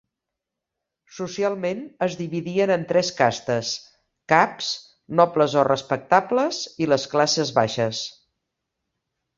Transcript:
Socialment, es dividien en tres castes: caps, nobles o respectables, i les classes baixes.